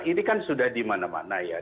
ini kan sudah dimana mana ya